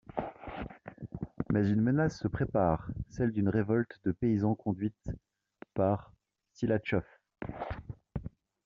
Mais une menace se prépare, celle d'une révolte de paysans conduite par Silatchoff...